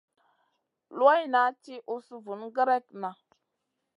Luwayna ti usna vun gerekna.